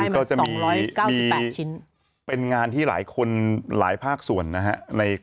ได้มัน๒๙๘ชิ้นเป็นงานที่หลายคนหลายภาคส่วนนะฮะ